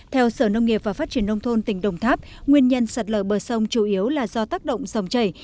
theo sở nông nghiệp và phát triển nông thôn tỉnh đồng tháp nguyên nhân sạt lở bờ sông chủ yếu là do tác động dòng chảy